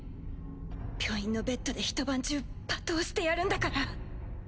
病院のベッドでひと晩中罵倒してやるんだから。